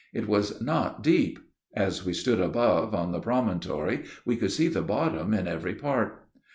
It was not deep. As we stood above, on the promontory, we could see the bottom in every part.